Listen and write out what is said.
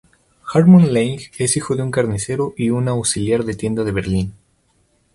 Hartmut Lange es hijo de un carnicero y una auxiliar de tienda de Berlín.